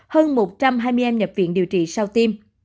hơn một trăm hai mươi em nhập viện điều trị sau tiêm